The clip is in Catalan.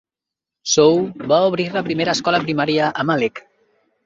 Shaw va obrir la primera escola primària a Malek.